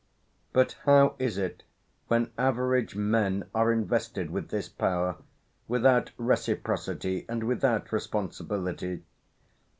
But how is it when average men are invested with this power, without reciprocity and without responsibility?